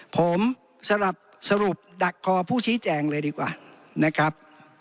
ผมสรุปดักคอผู้ชี้แจงเลยดีกว่านะครับ